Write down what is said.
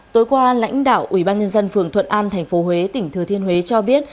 tối qua lãnh đạo ủy ban nhân dân phường thuận an thành phố huế tỉnh thừa thiên huế cho biết